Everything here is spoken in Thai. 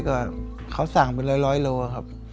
ก็เขาสั่งเป็นร้อยโลครับ